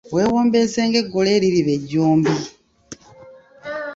Weewombeese ng'eggole eririba ejjombi.